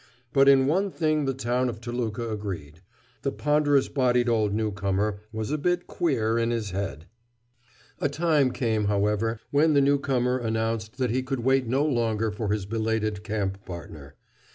But in one thing the town of Toluca agreed; the ponderous bodied old newcomer was a bit "queer" in his head. A time came, however, when the newcomer announced that he could wait no longer for his belated camp partner.